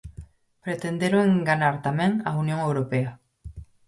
Pretenderon enganar tamén a Unión Europea.